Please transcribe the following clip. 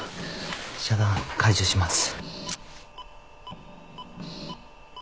遮断を解除します。